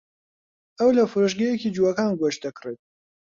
ئەو لە فرۆشگەیەکی جووەکان گۆشت دەکڕێت.